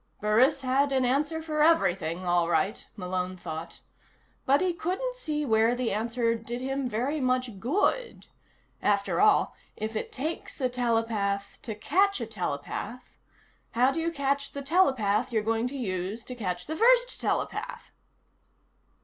Burris had an answer for everything, all right, Malone thought. But he couldn't see where the answer did him very much good. After all, if it takes a telepath to catch a telepath, how do you catch the telepath you're going to use to catch the first telepath?